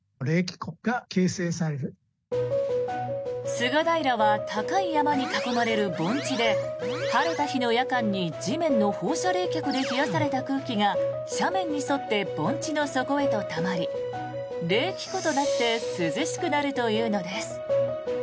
菅平は高い山に囲まれる盆地で晴れた日の夜間に地面の放射冷却で冷やされた空気が斜面に沿って盆地の底へとたまり冷気湖となって涼しくなるというのです。